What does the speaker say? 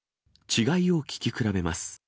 違いを聞き比べます。